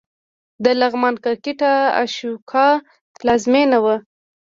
د لغمان کرکټ د اشوکا پلازمېنه وه